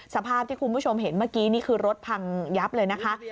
สภาพที่คุณผู้ชมเห็นเมื่อกี้นี่คือรถพังยับเลยนะคะ